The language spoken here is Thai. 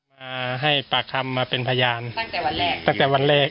มาให้ปากคำมาเป็นพยานตั้งแต่วันแรก